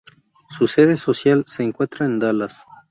Su sede social se encuentra en Dallas.